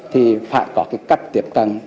thì phải có cách tiếp cận